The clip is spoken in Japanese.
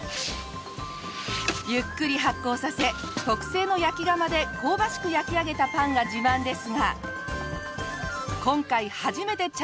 ゆっくり発酵させ特製の焼き窯で香ばしく焼き上げたパンが自慢ですが。